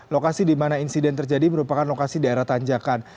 lokasi di mana insiden terjadi merupakan lokasi daerah tanjakan